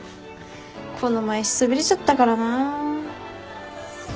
この前しそびれちゃったからな。